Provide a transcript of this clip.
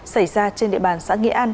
xảy ra trên địa bàn xã nghĩa an